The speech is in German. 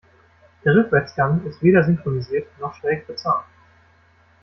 Der Rückwärtsgang ist weder synchronisiert noch schräg verzahnt.